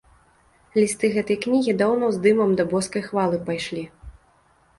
Лісты гэтай кнігі даўно з дымам да боскай хвалы пайшлі.